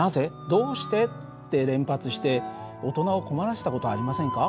「どうして？」って連発して大人を困らせた事ありませんか？